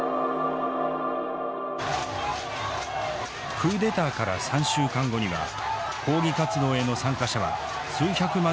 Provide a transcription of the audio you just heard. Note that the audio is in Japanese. クーデターから３週間後には抗議活動への参加者は数百万人にまで膨れあがりました。